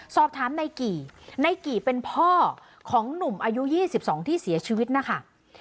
สอบถามในกี่นายกี่เป็นพ่อของหนุ่มอายุ๒๒ที่เสียชีวิตนะคะ